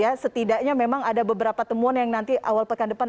ya setidaknya memang ada beberapa temuan yang nanti awal pekan depan